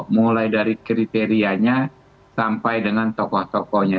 mulai dari kriterianya sampai dengan tokoh tokohnya